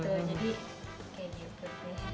jadi kayak gitu